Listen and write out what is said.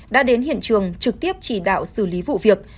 đã đến hiện trường trực tiếp chỉ đạo xử lý vụ việc